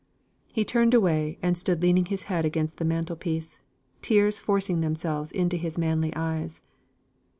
He turned away and stood leaning his head against the mantelpiece, tears forcing themselves into his manly eyes.